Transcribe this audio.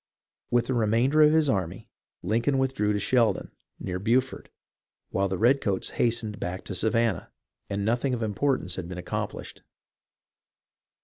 With the remainder of his army Lincoln withdrew to Sheldon, near Beaufort, while the redcoats hastened back to Savannah, and nothing of importance had been accomplished.